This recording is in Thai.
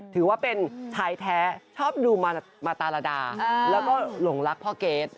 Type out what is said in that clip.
ถือว่าเป็นชายแท้ชอบดูมาตาระดาแล้วก็หลงรักพ่อเกรท